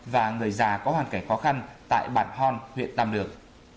và người già có hoàn cảnh khó khăn tại bản hon huyện tàm được